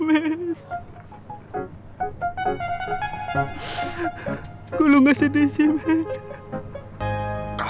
hingga datang sejastinyaondan kv